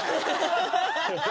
ハハハハ！